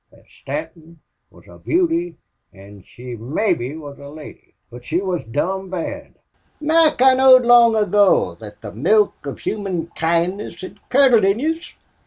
Thot Stanton wuz a beauty an' she mebbe wuz a loidy. But she wuz dom' bad." "Mac, I knowed long ago thot the milk of human kindness hed curdled in yez.